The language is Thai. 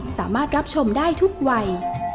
สามารถรับชมได้ทุกวัย